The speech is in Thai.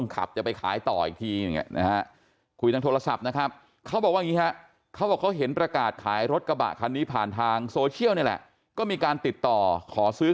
ขายรถกระบะคันนี้ผ่านทางโซเชียลนี่แหละก็มีการติดต่อขอซื้อ